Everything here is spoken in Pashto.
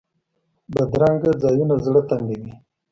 بدرنګه ځایونه زړه تنګوي